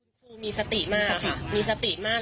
คือมีสติมากค่ะมีสติมาก